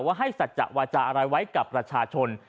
ว่าให้สัจจะวาจาอะไรไว้กับประชาชน